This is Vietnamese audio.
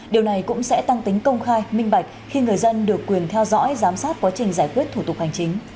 điều này cũng sẽ tăng tính công khai minh bạch khi người dân được quyền theo dõi giám sát quá trình giải quyết thủ tục hành chính